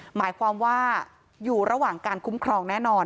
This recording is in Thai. หมายความว่าอยู่ระหว่างการคุ้มครองแน่นอน